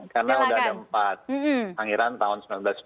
karena sudah ada empat sangiran tahun seribu sembilan ratus sembilan puluh enam